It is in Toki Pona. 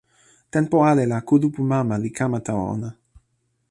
tenpo ale la kulupu mama li kama tawa ona.